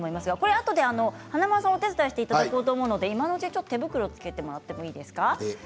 あとで華丸さんお手伝いしていただこうと思うので今のうちに手袋を着けてもらっていいですか。